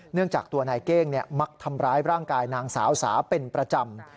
จากตัวนายเก้งมักทำร้ายร่างกายนางสาวสาเป็นประจำ